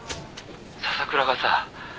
☎笹倉がさ。